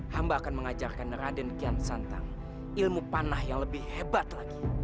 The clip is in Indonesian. hamba akan mengajarkan raden kian santang ilmu panah yang lebih hebat lagi